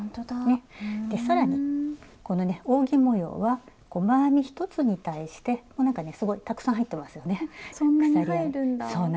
ねっ更にこのね扇模様は細編み１つに対してこうなんかねすごいたくさん入ってますよね